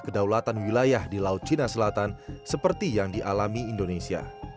kedaulatan wilayah di laut cina selatan seperti yang dialami indonesia